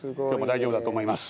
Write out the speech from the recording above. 大丈夫だと思います。